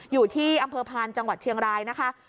อยู่ที่อำเภอพานจังหวัดเชียงรายนะคะ